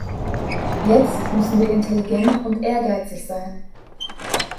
Jetzt müssen wir intelligent und ehrgeizig sein.